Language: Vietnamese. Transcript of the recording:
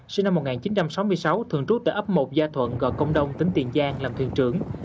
sinh năm một nghìn chín trăm sáu mươi sáu thường trú tại ấp một gia thuận gò công đông tỉnh tiền giang làm thuyền trưởng